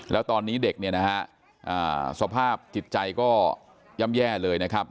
แล้วตอนนี้เด็กเนี่ยนะฮะสภาพจิตใจก็ย่ำแย่เลยนะครับ